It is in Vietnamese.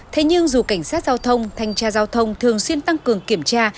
thế nhưng dù cảnh sát giao thông thanh tra giao thông thường xuyên tăng cường kiểm tra